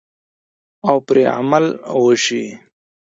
او پرې عمل وشي.